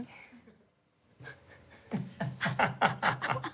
ハハハハ。